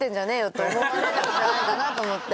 って思われるんじゃないかなと思って。